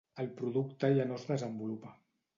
El producte ja no es desenvolupa.